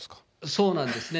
そうなんですね。